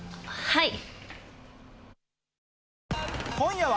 はい。